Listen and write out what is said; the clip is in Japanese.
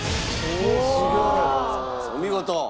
お見事！